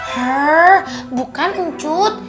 hrrr bukan anjut